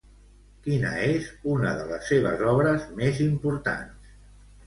Quina és una de les seves obres més importants?